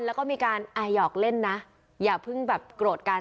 แล้วก็มีการหยอกเล่นนะอย่าเพิ่งแบบโกรธกัน